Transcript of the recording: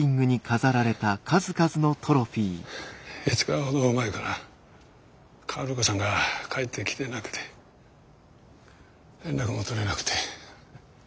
５日ほど前から薫子さんが帰ってきてなくて連絡も取れなくて。